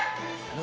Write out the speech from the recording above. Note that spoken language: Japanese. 何？